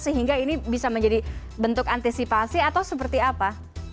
sehingga ini bisa menjadi bentuk antisipasi atau seperti apa